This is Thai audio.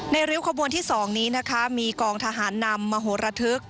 ในริ้วขบวนที่๒นะคะมีกลองทหารนำมโฮฤธึก